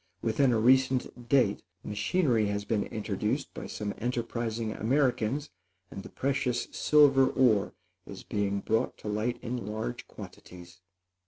Within a recent date machinery has been introduced by some enterprising Americans, and the precious silver ore is being brought to light in large quantities.